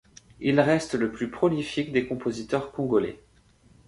Il reste le plus prolifique des compositeurs congolais.